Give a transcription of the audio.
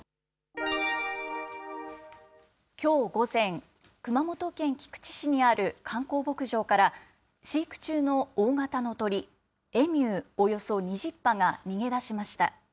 きょう午前、熊本県菊池市にある観光牧場から、飼育中の大型の鳥、エミューおよそ２０羽が逃げ出しました。